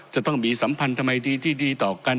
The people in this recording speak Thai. จะต้องมีสัมพันธ์ทำไมดีที่ดีต่อกัน